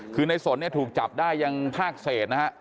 คือในสนถูกจับได้ยังภาคเศส